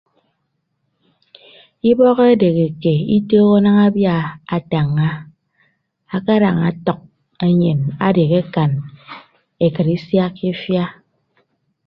Ibọk edeheke itooho daña abia atañña akadañ atʌk enyen adehe akan ekịt isiakka ifia.